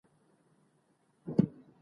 شاه شجاع باید د کمپانۍ خبره ومني.